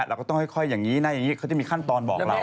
เราก็ต้องค่อยอย่างนี้นะอย่างนี้เขาจะมีขั้นตอนบอกเรา